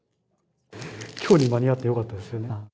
きょうに間に合ってよかったですよね。